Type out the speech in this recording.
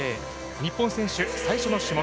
日本選手、最初の種目。